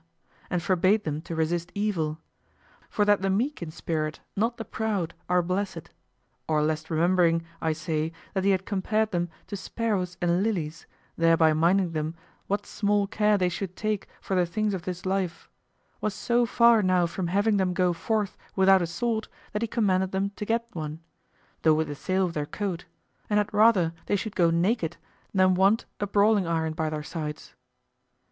and forbade them to resist evil; for that the meek in spirit, not the proud, are blessed: or, lest remembering, I say, that he had compared them to sparrows and lilies, thereby minding them what small care they should take for the things of this life, was so far now from having them go forth without a sword that he commanded them to get one, though with the sale of their coat, and had rather they should go naked than want a brawling iron by their sides.